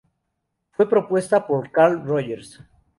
Fue propuesta por Carl Rogers.